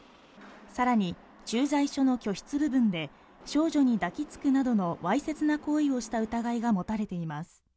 さらに、駐在所の居室部分で少女に抱きつくなどのわいせつな行為をした疑いが持たれています。